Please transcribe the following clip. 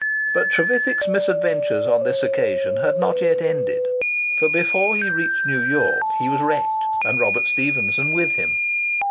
But Trevithick's misadventures on this occasion had not yet ended, for before he reached New York he was wrecked, and Robert Stephenson with him.